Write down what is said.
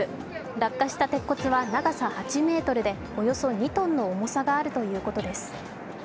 落下した鉄骨は長さ８ｍでおよそ２ｔの重さがあるということです。